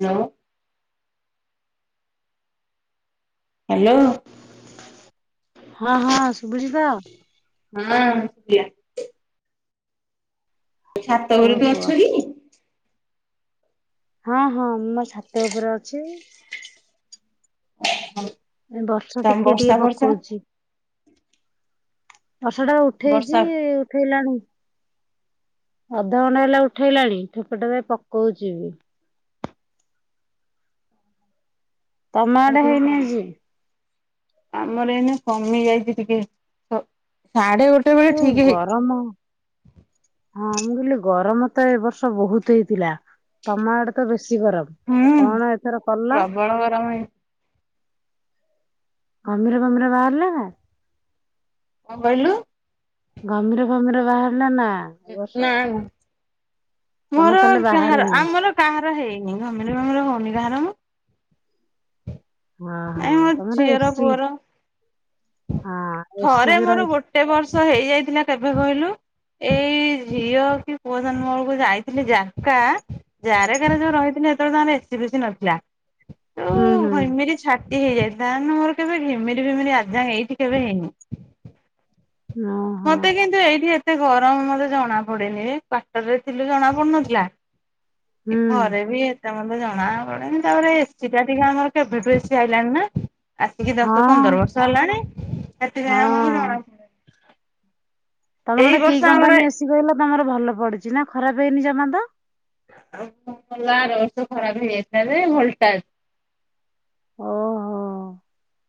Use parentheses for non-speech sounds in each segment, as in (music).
Hello. Hello. ହଁ ହଁ ସୁଭୁଚି ତ? ହଁ। ଛାତ କୁହ ଘରେ ତୁ କୁହ ଅଛୁ କି? ହଁ ହଁ ମୁଁ ଛାତ ଉପରେ ଅଛି। (inaudible) ଏ ବର୍ଷା ତମ ଟିକେ ବର୍ଷା ଟିକେ ଫର୍ଷା ପକଉଚି। ବର୍ଷା ଟା ଉଠେଇଚି ବର୍ଷା ଉଠେଇଲାଣି। ଅଧଘଣ୍ଟେ ହେଲା ଉଠେଇଲାଣି ଠୋପେ ଠୋପେ ପକଉଛି ବି ତମ ଆମର ଆଡେ ଟିକେ ହେଇନି କମ୍। ଆଜି? ଆମର ଏଇନେ କମି ଯାଇଛି ଟିକେ। ଡେ ଗୋଟେ ବେଳେ ଯୋଉ ଠିକ ହେଇ ଗରମ ହଁ ମୁଁ କହିଲି ଗରମ ତ ଏ ବର୍ଷ ବହୁତ ହେଇଥିଲା ତମ ଆଡେ ତ ବେ ଶୀ ଗରମ ହୁଁ କଣ ଏଥର କଲ? ପ୍ରବଳ ଗରମ ହେଇ ଘମିର ଫମିର ବାହାରିଲା ନା? କଣ କହିଲୁ? ଘମୀର ଫମିର ବାହାରିଲା ନା? ଏ ବର୍ଷ ନା। ତମର ମୋର ତାହେଲେ କାହାର ବାହାରିନି। ଆମର କାହାର ହେଇନି ଘମିର ଫମିର ହଉନି କାହାର ମୁଁ ହଁ ହଁ ଏଇ ମୋ ତମର ଝିଅର ଏସି ପୁଅର ହଁ ଏସି ଥରେ ବି ରହି ମୋର ଗୋଟେ ବର୍ଷ ହେଇଯାଇଥିଲା କେବେ କହିଲୁ? ଏଇ ଝିଅ କି ପୁଅ ଜନ୍ମ ବେଳକୁ ଯାଇଥିଲି ଯାତ୍ରା ଜାରେକାରେ ଯୋଉ ରହିଥିଲି। ସେବେଳେ ତାଙ୍କର ଏସି ଫେଶି ନଥିଲା ଯଉ ହୁଁ ହୁଁ ଘିମିରି ସେ ହେଇଯାଇ ତା ମୋର କେବେ ଘିମିରି ଫିମିରି ଆଜି ଯାଏଁ ଏଇଠି କେବେ ହେଇନି। ହଁ। ମତେ କିନ୍ତୁ ଏଇଠି ଏତେ ଗରମ ମତେ ଜଣା ପଡେନି କ୍ଵଟର ରେ ଥିଲୁ ଜଣା ପଡୁନଥିଲା। ହୁଁ ଘରେ ବି ଏତେ ମ ଜଣା ପଡେନି ତାପରେ ଏସିଟା ଟିକେ ଆମର କେବେଠୁ ଏସି ଆଇଲାଣି ନା। ଆସିକି ଦଶ, ହଁ ପନ୍ଦର ବର୍ଷ ହେଲାଣି! ସେତିପାଇଁ ଆମକୁ ହଁ। ଜଣାପଡେ। ତମର ଗୋଟେ କି କମ୍ପାନୀ ଏ ସି କହିଲ, ତମର ଭଲ ପଡିଛି ନା ଖରାପ ହେଇନି ଜମା ତ! ଆଉ କଣ କଲା? ଆର ବର୍ଷ ଖରାପ ହେଇଯାଇଥିଲା ଯେ ଭୋଲ୍ଟାସ। ଓହୋ!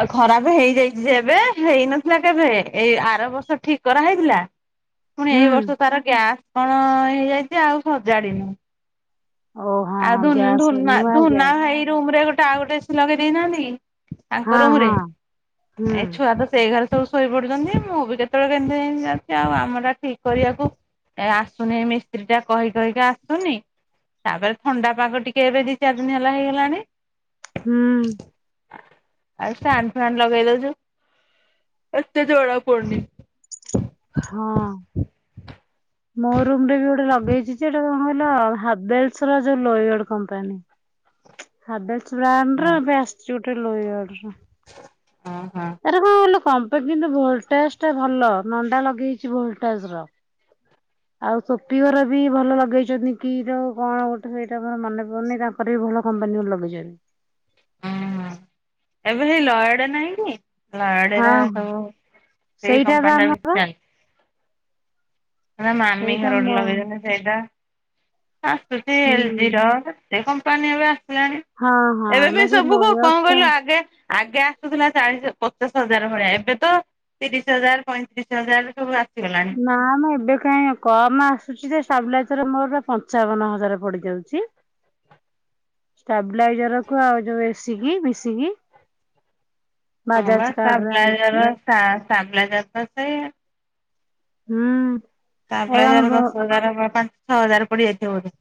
ଆ ଖରାପ ହେଇଯାଇଛି ଯେ ଏବେ। ହେଇନଥିଲା କେଭେ, ଏଇ ଆର ବର୍ଷ ଠିକ୍ କରାହେଇଥିଲା। ପୁଣି, ହୁଁ ଏଇ ବର୍ଷ ତାର ଗ୍ୟାସ୍ କଣ ହେଇଯାଇଛି? ଆଉ ସଜାଡିନୁ। ଓ ହଁ ଆଉ, ହଁ ଧୁନ୍ ଗ୍ୟାସ୍ ଧୁନ୍ ନୂଆ ଗ୍ୟାସ୍ ଧୁନାଭାଇ ରୁମ ରେ ଗୋ ଆଉ, ଗୋଟେ ଏ ସି ଲଗେଇ ଦେଇନାହାଁନ୍ତି! ତାଙ୍କ ହଁ ରୁମ୍ ହଁ ରେ, ହୁଁ। ଏ ଛୁଆ ତ ସେଇ ଘରେ ସ ବୁ ଶୋଇ ପଡୁଛନ୍ତି। ମୁଁ ବି କେତେବେଳେ କେନ୍ତି ଯା-ଯାଉଁ ଆଉ ଆମ ଟା ଠିକ୍ କରିବାକୁ ଏ ଆସୁନି ମିସ୍ତ୍ରୀ ଟା କହି କହିକା ଆସୁନି। ତା'ପରେ ଥଣ୍ଡା ପାାଗ ଟିକେ, ଏବେ ଦି ଚାର୍ ଦିନ ହେଲା ହେଇଗଲାଣି। ହୁଁ। ଆ ଷ୍ଟାଣ୍ଡ ଫ୍ୟାନ୍ ଲଗେଇ ଦଉଛୁ। ଏତେ ଜଣା ପଡ଼ନି। ହଁ। ମୋ ରୁମ୍ ରେ ବି ଗୋଟେ ଲଗେଇଛି ଯେ, ଏଟା କଣ କହିଲ, ହାବେଲସ୍ ର ଯୋ ଲୋୟଡ କମ୍ପାନୀ। ହାବେଲସ୍ ବ୍ରାଣ୍ଡ ହଁ ର ଏବେ, ଆସ୍ଚି ଗୋଟେ ଲୋୟଡର। ଆରେ ହଁ ଲୋ! କମ୍ପା ପା କିନ୍ତୁ, ଭୋଲ୍ଟାଜ ଟା ଭଲ ନଣ୍ଡା ଲଗେଇଛି, ଭୋଲ୍ଟାଜ ର ଆଉ, ସୋପି ଘର ବି ଭଲ ଲଗେଇଚନ୍ତି। କିର କଣ ଗୋଟେ ସେଇଟା ମର ମନେ ପଡୁନି। ତାଙ୍କର ବି ଭଲ କମ୍ ବାନି ଗୋ ଲଗେଇଚନି। ହଁ ଏବେ ସେଇ ଲୟଡା ନାହିଁ କି? ଲୟାଡେ ରା ହଁ। ସବୁ ସେଇ ସେଇଟା ବା କମ୍ପାନୀ ଟା ଆମ ବେଶୀ ଚାଲଛି। ହେରା, ମାମି ସେଇଟା ଘର ମୋ ଗୋଟେ ଲଗେଇଛନ୍ତି ସେଇଟା। ଆସୁଛି ଏଲ୍ ହୁଁ। ଜି ର ଏତେ କମ୍ପାନୀ ଏବେ ଆସ୍ ହେଲାଣି, ହଁ ହଁ ଏବେ ବି ନା ସେ ସବୁ କୁ, ଲୋୟସ୍ କଣ ଟା କହିଲୁ ଆଗେ ଆଗେ ଆସୁଥିଲା, ଚାଳିଶ, ପଚାଶ ହଜାର ଭଳିଆ ଏବେ ତ ତିରିଶ ହଜାର, ପଇଁତିରିଶ ହଜାର ସବୁ ଆ ନା-ଆ-ଆ-ମ ଏବ୍ ଏବେ କାହିଁ କମ୍ ଆସୁଛି ଯେ, ସାବ୍ଲାଇଜର ମୋର ପଞ୍ଚାବନ ହଜାର ପଡିଯାଉଛି। ହ ଷ୍ଟାବ୍ ଲାଇଜରକୁ ଆଉ, ଯୋଉ ଏ ସି କି ମିଶିକି। ହଁ ବା, ବାଜାଜ କାର୍ଡ ଷ୍ଟାବ୍ ରେ ଆଣିଛି। ଲାଇଜ଼ର, ଷ୍ଟା-ଷ୍ଟାବ୍ ଲାଇଜ଼ର ତ ସେୟା। ହୁଁ। ଷ୍ଟାବ୍ ଏ ଲାଇଜ଼ର୍ ଆମ ଦଶ ହଜାର ବା ପାଞ୍ଚ ଛ ହଜାର ପଡ଼ିଯାଇଥିବ ବୋଧେ!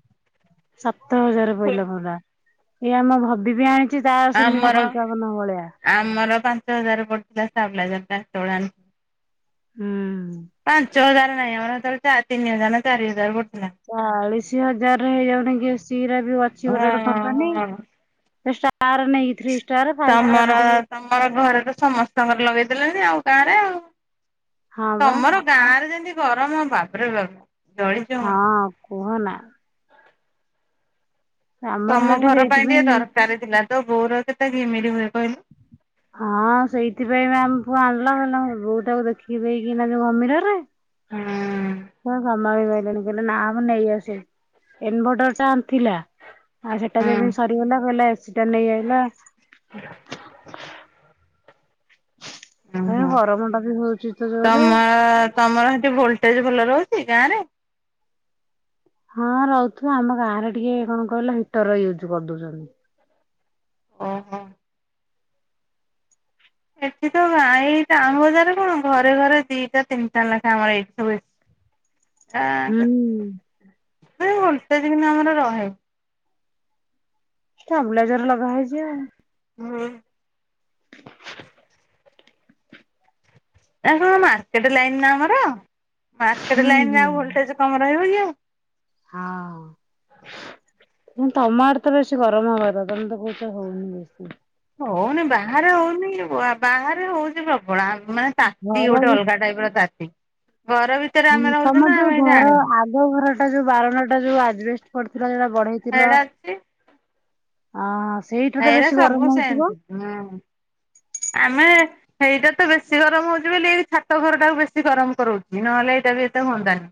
ସାତ ହଜାର ପହିଲା ପୁରା। ଏଇ ଆମ ଭବି ବି ଆଣିଛି। ଚି ତାର ସେମିତି ଆମର ପଞ୍ଚାବନ ଭଳିଆ। ଆମର ପାଞ୍ଚ ହଜାର ପଡ଼ଥିଲା ଷ୍ଟାବ୍ ଲାଇଜ଼ର ଟା ହେତେବେଳ ଆଣି ହୁଁ। ପାଞ୍ଚ ହଜାର ନାହିଁ। ଆମର ହେତେବେଳେ ଚା ତିନି ହଜାର ଚାରି ହଜାର ପଡ଼ ଚାଳିଶ ହଜାର ରେ ହେଇଯାଉନିକି ଏ ସି ରା ବି ଅଛି, ହଁ ଗୋଟେ ଗୋଟେ କମ୍ପାନୀ। ହଁ। ଷ୍ଟ ତମର! ଟିକେ ତମର ଘରେ ତ ସମସ୍ତଙ୍କର ଲଗେଇଦେଲେ। ଆଉ, ଗାଁ ରେ ଆଉ। ହଁ ବା ତମର ଗାଁ ରେ ଯେମିତି ଗରମ ବାବ୍ ରେ ବାବ୍ ହଁ କୁହନା। ଆମର ତମ ସେଠି ଘର ପାଇଁ ଟିକେ ସେଇଥିପାଇଁ ଦରକାର ଥିଲା। ତୋ ବୋଉର କେତେ ଘିମିରି ହୁଏ କହିଲୁ? ହଁ, ସେଇଥିପାଇଁ ବା ଆମ ପୁଅ ଆଣିଲା। କହିଲା ମୋ ବୋଉଟାକୁ ଦେଖିବି କିନା ଯଉ ଘମିରରେ ହୁଁ। (unintelligible) ନା ଆମେ ନେଇ ଆସିବୁ। ଇନଭର୍ଟର ଟା ଥିଲା। ଆଉ ସେଟା ହୁଁ। ଯେମିତି ସରିଗଲା କହିଲା ଏସିଟା ନେଇ ଆଇଲା (inaudible) ଏ ଓହୋ ଗରମ ଟା ବି ହଉଛି ତ ଜୋରରେ। ତମ ତମର ସେଠି ଭୋଲ ଟେଜ୍ ଭଲ ରହୁଛି ଗାଁ ରେ? ହଁ ରହୁଥିବ ଆମ ଗାଁରେ ଟିକେ କଣ କହିଲ ହିଟର ୟୁଜ୍ କରିଦଉଛନ୍ତି। ଓହୋ। ଏଠି ତ ଏଇ ଟାଉନ ବଜାରେ କଣ ଘରେ ଘରେ ଦିଟା ତିନିଟା ଲେଖାଏ ଆମର ଏଇଠି ସବୁ ଏସି। (inaudible) ହୁଁ। ନାଇଁ ଭୋଲ୍ଟେଜ କିନ୍ତୁ ଆମର ରହେ। ଷ୍ଟାବାଲାଇଜର ଲଗା ହେଇଚି ଆଉ। ହଁ। ନା କଣ ମାର୍କେଟ ଲାଇନ ନା ଆମର ମାର୍କେଟ ହୁଁ ଲାଇନରେ ଆଉ ଭୋଲଟେଜ କମ୍। (unintelligible) ହଁ। (inaudible) ତମ ଆଡ୍ ବେଶୀ ଗରମ ହବ। ତମେ ତ କହୁଚ ହଉନି ହଉନି ବେଶୀ। ବାହାରେ ହଉନି ବାହାରେ ହଉଛି ପ୍ରବଳ ମାନେ ତାତି ଗୋଟେ ଅଲଗା ଟାଇପ ର ତାତି। ଘର ଭିତରେ ହଁ ଆମେ ରହୁଛୁ ତମ ନା ଯୋଉ ଆମେ ଘର ଜାଣିନୁ ଆଗ ଘର ଟା ଯୋଉ ବାରଣ୍ଡା ଟା ଯୋଉ ଆଜବେଷ୍ଟ ପଡ଼ିଥିଲା ଯୋଉଟା ବଢେଇଥିଲ ଏଇଟା ଆ ଏରା ସବୁ ସେନ୍ତି। ଆମେ ଏଇଟା ତ ବେଶୀ ଗରମ ହଉଛି ବୋଲି ଏଇ ଛାତ ଘର ଟାକୁ ବେଶୀ ଗରମ କରଉଛି ନହେଲେ ବି ଏତେ ହୁଅନ୍ତାନି।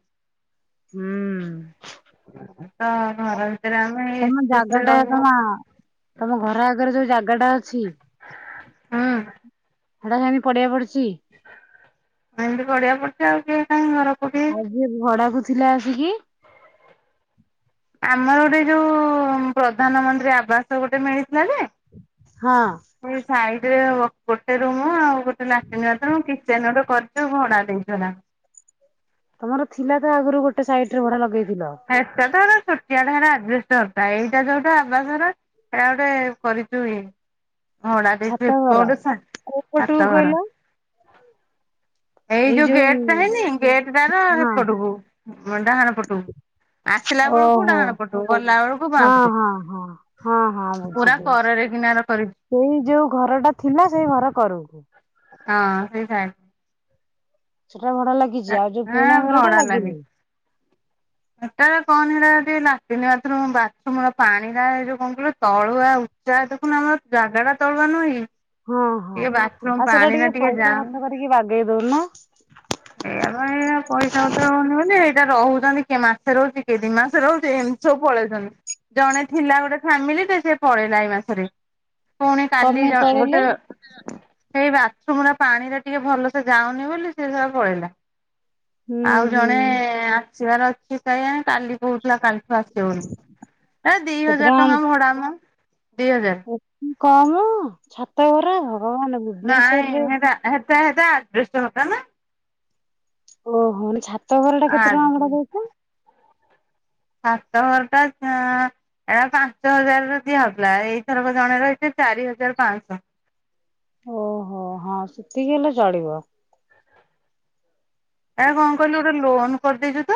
ହୁଁ। ତ ଘର ଭିତରେ ଆମେ ତମ ଏସି ଫେସି ଜାଗା ରେ ଟା ରହୁ ତମ ତମ ଘର ଆଗରେ ଯୋଉ ଜା ହେଟା ଅଛି। ହୁଁ ହେଟା ହେମିତି ପଡ଼ିଆ ପଡିଚି। ଏମିତି ପଡ଼ିଆ ପଡିଥିବ ଆଉ କିଏ କାହିଁ ଘର କୋଉଠି ଆଉ ଯିଏ ଭଡାକୁ ଥିଲା ଆସିକି। ଆମର ଗୋଟେ ଯୋଉ ପ୍ରଧାନମନ୍ତ୍ରୀ ଆବାସ ଗୋଟେ ମିଳିଥିଲା ହଁ ଯେ ସାଇଟ୍ ରେ ଗୋଟେ ରୁମ ଆଉ। ଗୋଟେ ଲାଟିନ ବାଥରୁମ୍ କିଚେନ ଗୋଟେ କରିଚୁ ଯେ ଭଡା ଦେଇଚୁ ହେଟା। ତମର ଥିଲା ତ ଆଗରୁ ଗୋଟେ ସାଇଡ ରେ ଭଡା ଲଗେଇ ହେଟା ତ ହେରା ଛୋ ଟିଆ ହେଟା ଆଜବେଷ୍ଟ ଘର ଟା। ଏଇଟା ଯୋଉଟା ଆବାସର ସେଇଟା ଗୋଟେ କରିଚୁ ଇଏ। ଭଡ଼ା ଛାତ ଦେଇଚୁ ଘର ଏପଟେ ଛା କୋଉ ପଟକୁ ଛାତ କହିଲ ଘର। ଏଇ ଯୋଉ ଗେଟ୍ ଟା ହେଇନି ଗେଟ୍ ଟାର ହଁ ହେପଟ କୁ। ନଣ୍ଡା ଘର ପଟକୁ। ଆସିଲା ବେଳକୁ ଓହୋ ଡାହାଣ ପଟୁ ଗଲା ବେଳକୁ ବାଁ ହଁ ପଟୁ। ହଁ ହଁ ହଁ ହଁ ବୁଝିଲି ପୁରା ବୁଝିଲି। କରରେ। (unintelligible) ସେଇ ଯୋଉ ଘର ଟା ଥିଲା ସେଇ ଘର କର କୁ। ହଁ ସେଇ ସାଇ ସେଟା ଭଡା ଲାଗିଛି। ଆଉ ଯୋଉ ପୁରୁଣା ହଁ ଘର ଟା ଲାଗିନି। ସେଟା କହନି ସେଟା ଲାଟିନ୍ ବାଥରୁମ ବାଥରୁମ ର ପାଣି ଟା ଏଇ ଯୋଉ କଣ କ ତଳୁଆ ଉ ଯାହା ଦେଖୁନୁ ଆମର ଜାଗା ଟା ତଳୁଆ ନୁହେଁ କି। ହଁ ହଁ ଟିକେ ବାଥରୁମ୍ ଆଉ ସେଟା ପାଣି ଟା ଟିକେ ପଇସା ଜାମ୍ ଖର୍ଚ୍ଚ କରିକି ବାଗେଇ ଦଉନ। ଏଇପା ଏୟା ପଇସା ପତ୍ର ହଉନି ବୋଲି ଏଇଟା ରହୁଛନ୍ତି। କିଏ ମାସେ ରହୁଛି କିଏ ଦି ମାସେ ରହୁଛି ଏମିତି ସବୁ ପଳଉଛନ୍ତି। ଜଣେ ଥିଲା ଗୋଟେ ଫ୍ୟାମିଲି ଟେ ସେ ପଳେଇଲା ଏଇ ମାସରେ। ପୁଣି କାଲି କମେଇ ଜ ଗୋଟେ ତଳିଲେ ହେଇ ବା ଥୁରୁମ୍ ପାଣିରା ଟିକେ ଭଲସେ ଯାଉନି ବୋଲି ସେ ଶଳା ପଳେଇଲା। ହୁଁ ଆଉ ହୁଁ ଜଣେ ଆସିବାର ଅଛି କାଇଁ କାଲି କହୁ କାଲିଠୁ ଆସିବନି ଏ ଦି ହଜାର ଟଙ୍କା ଭଡାମ ଦି ହଜାର। କମ୍ ଛାତ ଘର। ଭଗବାନ ନାଇଁ ଭୁବନେଶ୍ଵରରେ ହେଟା ହେଟା ହେଟା ଆଜବେଷ୍ଟଘରଟା ନା ଓହୋ ମାନେ ଛାତ ଘର ଟା କେତେ ଟଙ୍କା ଆଜ ଭଡା ଦଉଛ? ଛାତ ଘର ଟା ଆଁ ଏଟା ପାଞ୍ଚ ହଜାରରେ ଦିଆହଉଚି। ଡ୍ରାଏ ଏଇଥରକ ଜଣେ ରହିଛି ଚାରି ହଜାର ପାଂସ୍। ଓହୋ ହଁ ସେତିକି ହେଲେ ଚଳିବ। ଆ କଣ କହିଲୁ ଗୋଟେ ଲୋନ କରିଦେଇଛୁ ତ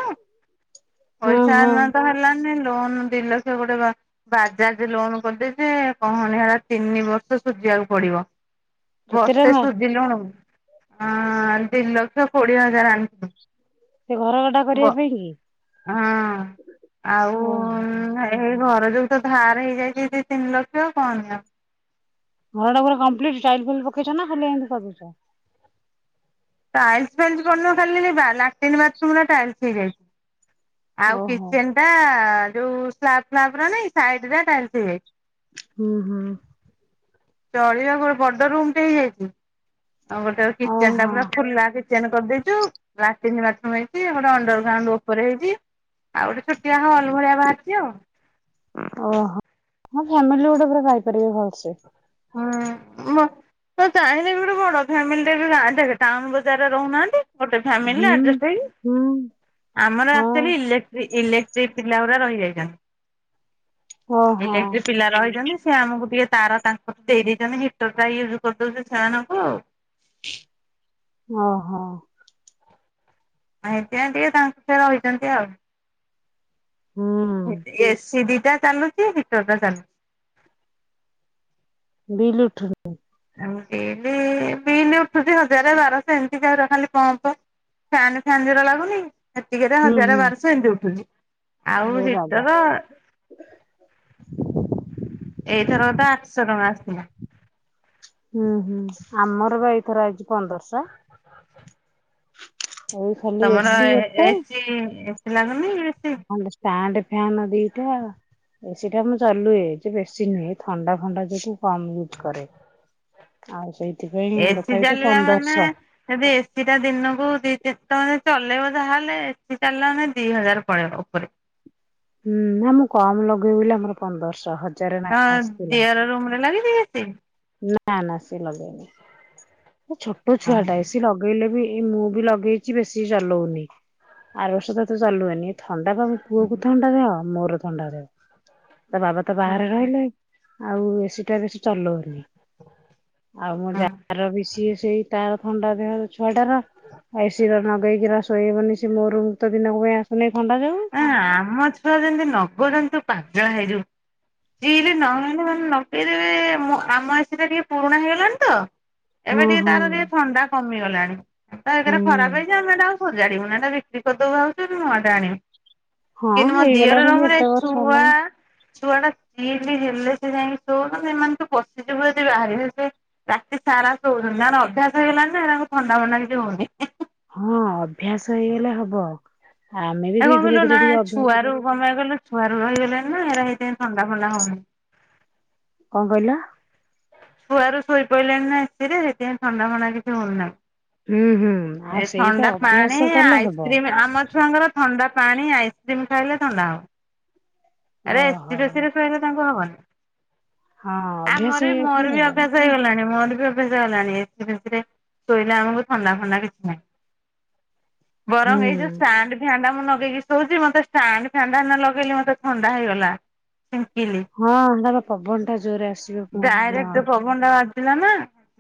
ହଁ ପଇସା ହଁ ଆମର ତ ହେଲାନି ଲୋନ୍ ଦି ଲକ୍ଷ ଗୋଟେ ବା ବାଜାଜ ଲୋନ କରିଦେଇଚି ଯେ କହନି ସେଟା ତିନି ବର୍ଷ ସୁ ସୁଜି ବାକୁ ପଡିବ। କେତେ ବର୍ଷେ ଟଙ୍କା ସୁଝିଲୁଣୁ ଆ ଦି ଲକ୍ଷ କୋଡିଏ ହ ଜାରେ ଆଣିଛୁ। ସେ ଘର ଗଡା କରିବା ପାଇଁ କି? ହଁ ଆଉ ଓହୋ ହେଇ ହେଇ ଘର ଯୋଉ ତ ଧାର ହେଇଯାଇଛି ଦି ତିନି ଲକ୍ଷ କହନି ଆଉ। ଘର ଟା ପୁରା କମ୍ପ୍ଲିଟ ଟାଇଲ ଫାଇଲ ପକେଇଛ ନା ଖାଲି ଏମତି କରିଦେଇଚ। ଟାଇଲସି ଫାଇଲସି ପଡିନି ମ ଖାଲି ବା ଲାଟିନ ବାଥରୁମ ରା ଟାଇଲସି ହେଇଯାଇଛି। ଆଉ ଓହୋ। କିଚେନ ଟା ଯୋଉ ସ୍ଲାପ ଫ୍ଲାପ ରା ନାଇ ସାଇଡ ରେ ଟାଇଲସ ହେଇଯାଇଛି। ହୁଁ ହୁଁ। ଚଳିବାକୁ ଗୋ ଗୋଟେ ବଡ ରୁମ ଟେ ହେଇଯାଇଛି। ଆଉ ଗୋଟେ କିଚେନ ଟା ଓହୋ ପୁରା ଖୁଲା କିଚେନ କରିଦେଇ ତୁ ଲାଟିନ ବାଥରୁମ ହେଇଛି ଗୋଟେ ଅଣ୍ଡର ଗ୍ରାଉଣ୍ଡ ଉପରେ ହେଇଛି। ଆଉ ଗୋଟେ ଛୋଟିଆ ହଲ ଭଳିଆ ବାହାରିଛି ଆଉ। ଓହୋ ହଁ ଫ୍ୟାମିଲି ଗୋଟେ ପୁରା ରହିପାରିବେ ଭଲସେ। ହଁ ମ ହଁ ଚାହିଁଲେ ବି ଗୋଟେ ବଡ଼ ଫ୍ୟାମିଲିରେ ବି ଗାଁ ଠେକେ ଟାଉନ ବଜାରରେ ରହୁନାହାନ୍ତି। ଗୋଟେ ଫ୍ୟାମିଲ ହୁଁ। ଆଡଯାଷ୍ଟ ହେଇକି ହୁଁ ଆମର ହଁ ଆମଚୁଲି ଇଲେକ୍ଟ୍ରି ଇଲେକ୍ଟ୍ରି ପିଲା ଗୁରା ରହିଯାଇ ଓହୋ ଇଲେକ୍ଟ୍ରିକ ପିଲା ରହିଛନ୍ତି ସେ ଆମକୁ ଟିକେ ତାର ତାଙ୍କ ଦେଇ ଦେଇଛନ୍ତି ହିଟର ଟା ୟୁଜ କରିଦଉଛୁ ସେମାନଙ୍କୁ। ଓହୋ। ଆଁ ହେନ୍ତିଆ ଟିକେ ତାଙ୍କେ ରହିଛନ୍ତି ଆଉ। ହୁଁ। ଏସି ଦି ଟା ଚାଲୁଛି ହିଟର ଟା ଚାଲୁଛି। ବିଲ ଉଠୁନି। ଅମିତ୍ ହେଉକି ପି ବିଲ ଉଠୁଛି ହଜାର ବାରଶହ ଏମିତି ଖାଲି ପମ୍ପ ଫ୍ୟାନ ଫ୍ୟାନ ଯୁରା ଲାଗୁନି। ହେତିକିରେ ହୁଁ ହଜାରେ ହୁଁ ବାରଷ ଏମିତି ଉଠୁଛି। ଆଉ ଏ ବାବା ଯେତକ ଏଇଥର କ ତ ଆଠଶହ ଟଙ୍କା ଆସିଥିଲା। ହୁଁ ହୁଁ ଆମର ବା ଏଇଥର ଆଇଚି ପନ୍ଦରସ। ତମର ଏସି ଏ ଗୋଟେ ଏସି ଲାଗୁନି ଏସି ଷ୍ଟାଣ୍ଡ ଫ୍ୟନ୍ ଦିଟା ଏସିଟା ମୁଁ ଚଲୁଏ ଯେ ବେଶୀ ନୁହେଁ ଏ ଥଣ୍ଡା ଫଣ୍ଡା ଯୋଗୁ କମ ୟୁଜ କରେ ଆଉ ସେଇ ଏସି ଚାଲିଲା ମାନେ ଯଦି ଏସି ଟା ଦିନକୁ ଦିି ତିନି ଚଲେଇବ ଯାହାହେଲେ ଏସି ଚାଲିଲା ମାନେ ଦି ହଜାରେ ପଳେଇବ ଉପରେ। ହୁଁ ନା ମୁଁ କମ ଲଗୁଏ ବୋଲି ଆମର ପନ୍ଦରଶହ ହ ହଁ ଦିଅର ରୁମରେ ଲାଗିଛି ଏସି? ନା ନା ସେ ଲଗେଇନି ସେ ଛୋଟ ଛୁଆଟା ଏସି ଲଗେଇଲେ ବି ଏଇ ମୁଁ ବି ଲଗେଇଛି ବେଶୀ ଚଲଉନି ଆର ବର୍ଷ ତ ଏତେ ଚଲୁଏନି ଥଣ୍ଡା ପା ମୋ ପୁଅକୁ ଥଣ୍ଡା ଦେଅ ମୋର ଥଣ୍ଡା ଦେଅ ତା ବାବା ତ ଆ ବାହାରେ ରହିଲେ ଆଉ ଏସିଟା ବେଶୀ ଚଲଉନି ଆଉ ମୋ ଯାାର ବି ସିଏ ସେଇ ତାର ଥଣ୍ଡା ଦେହ ଛୁଆଟାର ଏସି ତ ଲଗେଇକି ର ସୋଇହବନି ସେ ମୋ ରୁମ କୁ ତ ଦିନକ ପାଇଁ ଆସୁନି ଥଣ୍ଡା ଯୋଗୁ। ନା ଆମ ଛୁଆ ଯେମିତି ନଗଉଛନ୍ତି ତୁ ପାାଗଳା ହେଇଜିବୁ। ଚିଲ ନହେନେ ମାନେ ନଗେଇଦେବେ ଆମ ଏସଟା ଟିକେ ପୁରୁଣା ହେଇଗଲାଣି ତ ହଁ ଏବେ ଟିକେ ହଁ ତାର ଟିକେ ଥଣ୍ଡା କମିଗଲାଣି ତ ଏଟା ଏକ ହୁଁ ରେ ଖରାପ ହେଇଛି ଆମେ ଏଟା ଆଉ ସ ସଜାଡ଼ିବୁନି ଏଟା ବିକ୍ରି କରିଦବୁ ଭାବିଛୁ ଗୋଟେ ନୂଆ ଟେ ଆଣିବୁ। ହଁ କିନ୍ତୁ ମ ଦିଅର ହେଇଗଲାଣି ବି ରୁମରେ ଏତେ ଏ ବର୍ଷ ଛୁଆ ହେଲାଣି। ଛୁଆ ଟା ଚିଲ ହେଲେ ସେ ଯାଇକି ଶଉଚନ୍ତି ନହେଲେ ତୁ ପଶିଯିବୁ ଯଦି ବାହାରିବେ ସେ ରାତି ସାରା ଶଉଛନ୍ତି ତାଙ୍କର ଅଭ୍ୟାସ ହେଇଗଲାଣି ନା ହେରାଙ୍କୁ ଥଣ୍ଡା ଫଣ୍ଡା କିଛି ହଉନି। ହଁ ଅଭ୍ୟାସ ହେଇଗଲେ ହବ। ଆମେ ବି ସେଇ ଆଉକଣ ଧୀରେ କହିଲୁ ଧୀରେ ନା ଟିକେ ଅଭ୍ୟାସ କରୁ ଛୁଆରୁ କପାଈଁ କହିଲୁ ଛୁଆରୁ ରହିଇଗଲେଣି ନା ଏରା ହେଇଥ ପାଈଁ ଥଣ୍ଡା ଫଣ୍ଡା ହେଉନି। ହୁଁ। କଣ କହିଲ? ଛୁଆ ରୁ ଶୋଇପଡିଲେଣି ନା ଏସିରେ ସେଥିପାଇଁ ଥଣ୍ଡା ଫଣ୍ଡା କିଛି ହଉନି ହୁଁ ହୁଁ ଆଉ ତାଙ୍କୁ। ଏ ସେଇପା ଥଣ୍ଡା ପାଣି ଅଭ୍ୟାସ କଲେ ହବ। ଆଇସ୍କ୍ରିମ ଆମ ଛୁଆଙ୍କର ଥଣ୍ଡା ପାଣି ଆଇସକ୍ରିମ ଖାଇଲେ ଥଣ୍ଡା ହେବ। ଆରେ ଓହୋ ଏସିଫେସିରେ ଶୋଇିଲ ତାଙ୍କୁ ହବନି। ହଁ ଅଭ୍ୟାସ ଆମୋର ବି ହେଇଯାଇଥିଲେ ମୋର ବି ହବ। ଅଭ୍ୟାସ ହେଇଗଲାଣି ମୋର ଅଭ୍ୟାସ ହେଇଗଲାଣି ଏସି ଫେସୀ ରେ ଶୋଇଲେ ଆମକୁ ଥଣ୍ଡା ଫଥଣ୍ଡା କିଛି ନାହିଁ। ହୁଁ ବରଂ ଏଇ ଯୋଉଷ୍ଟାଣ୍ଡ ଫ୍ୟାନ ଟା ମୁଁ ଲଗେଇକି ଶୋଉଛି ମତେଷ୍ଟାଣ୍ଡ ଫ୍ୟାନ ନ ଲଗେଇଲେ ମତେ ଥଣ୍ଡା ହେଇଗଲା। ଛିଙ୍କିଲି। ହଁ ହେଟା ପା ପବନ ଟା ଜୋରରେ ଆସିବ ହଁ। ପିଲା ନା।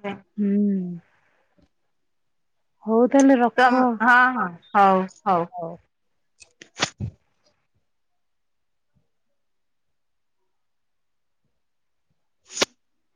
ହୁଁ। ହଉ ତାହେଲେ ରଖ ତମ ହଁ ହଁ ହଉ। ହଉ। (inaudible)